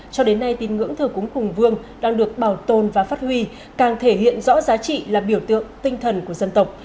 cho đến nay tín ngưỡng thờ cúng hùng vương đang được bảo tồn và phát huy càng thể hiện rõ giá trị là biểu tượng tinh thần của dân tộc